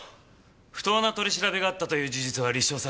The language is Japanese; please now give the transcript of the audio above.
不当な取り調べがあったという事実は立証されてません。